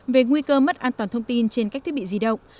về nguy cơ mất an toàn thông tin trên các thiết bị di động